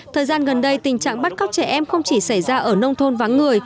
thời gian gần đây tình trạng bắt cóc trẻ em không chỉ xảy ra ở nông thôn vắng người